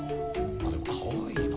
まあでもかわいいな。